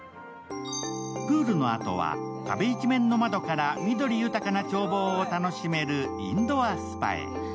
プールのあとは壁一面の窓から緑豊かな眺望を楽しめるインドアスパへ。